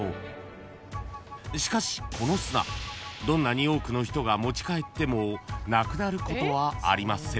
［しかしこの砂どんなに多くの人が持ち帰ってもなくなることはありません］